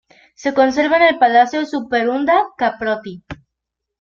Se conserva en el Palacio Superunda-Caprotti.